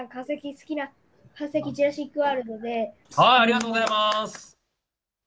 ありがとうございます。